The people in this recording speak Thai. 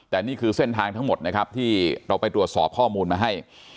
แต่นี่คือเส้นทางทั้งหมดนะครับที่เราไปตรวจสอบข้อมูลมาให้